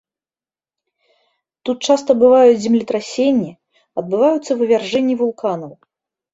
Тут часта бываюць землетрасенні, адбываюцца вывяржэнні вулканаў.